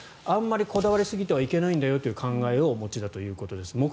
あんまりこだわりすぎてはいけないんだよという考えをお持ちだということです。